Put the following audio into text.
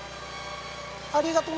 ありがとな！